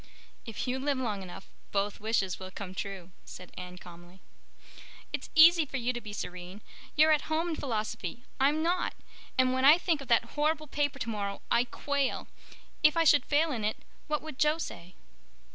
"If you live long enough both wishes will come true," said Anne calmly. "It's easy for you to be serene. You're at home in Philosophy. I'm not—and when I think of that horrible paper tomorrow I quail. If I should fail in it what would Jo say?"